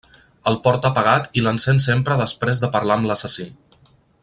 El porta apagat i l'encén sempre després de parlar amb l'assassí.